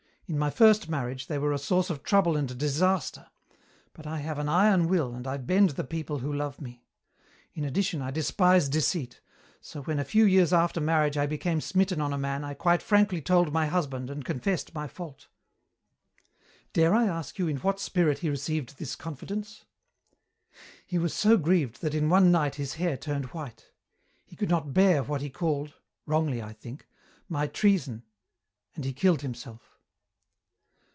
In my first marriage they were a source of trouble and disaster but I have an iron will and I bend the people who love me. In addition, I despise deceit, so when a few years after marriage I became smitten on a man I quite frankly told my husband and confessed my fault." "Dare I ask you in what spirit he received this confidence?" "He was so grieved that in one night his hair turned white. He could not bear what he called wrongly, I think my treason, and he killed himself."